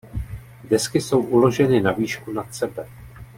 Desky jsou uloženy na výšku nad sebe.